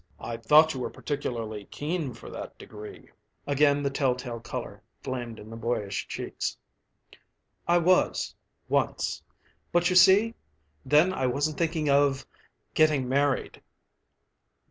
I thought you were particularly keen for that degree." Again the telltale color flamed in the boyish cheeks. "I was once. But, you see, then I wasn't thinking of getting married."